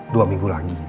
dua minggu lagi